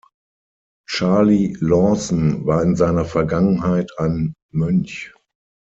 Charlie Lawson war in seiner Vergangenheit ein Mönch.